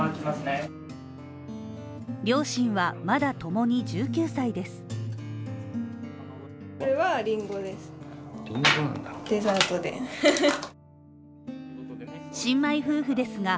両親はまだともに１９歳です。